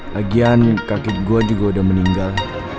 lagian kakek gue juga udah meninggal